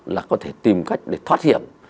là có thể tìm cách để thoát hiểm